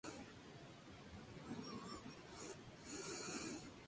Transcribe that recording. Desde este pueblo hay una pista sin asfaltar que enlaza los dos lugares.